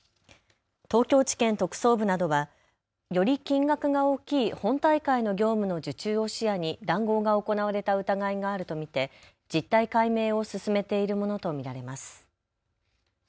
東京地検特捜部などはより金額が大きい本大会の業務の受注を視野に談合が行われた疑いがあると見て実態解明を進めているものと見られます。